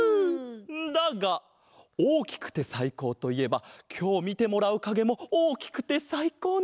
だがおおきくてさいこうといえばきょうみてもらうかげもおおきくてさいこうなんだ！